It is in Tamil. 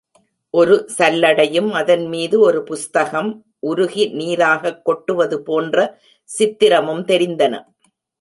ஒரு சல்லடையும் அதன்மீது ஒரு புஸ்தகம் உருகி நீராகக் கொட்டுவது போன்ற சித்திரமும் தெரிந்தன.